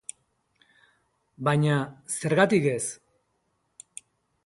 Baina, zergatik ez?